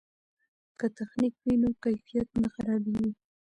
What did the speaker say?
که تخنیک وي نو کیفیت نه خرابیږي.